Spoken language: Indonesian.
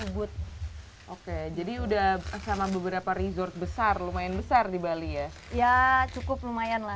booth oke jadi udah sama beberapa resort besar lumayan besar di bali ya ya cukup lumayan lah